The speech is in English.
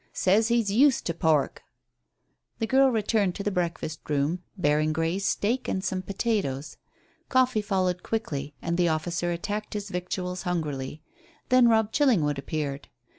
Says he's used to pork." The girl returned to the breakfast room bearing Grey's steak and some potatoes. Coffee followed quickly, and the officer attacked his victuals hungrily. Then Robb Chillingwood appeared.